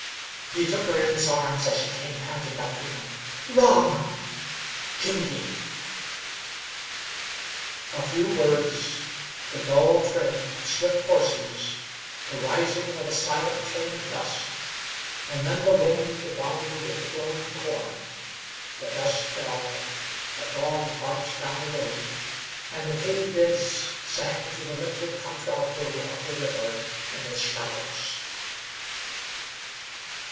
He took her in his arms as she came panting up to him. "Rob!" "Julyie!" A few words, the dull tread of swift horses, the rising of a silent train of dust, and then the wind wandered in the growing corn, the dust fell, a dog barked down the road, and the katydids sang to the liquid contralto of the river in its shallows.